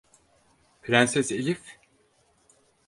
Prenses Elif?